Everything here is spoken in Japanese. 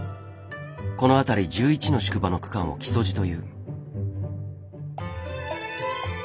この辺り１１の宿場の区間を「木曽路」という。